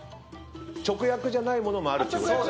直訳じゃないものもある。